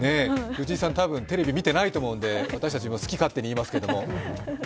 フジイさん、たぶんテレビ見ていないと思うので私たちも好き勝手に言いますけれども。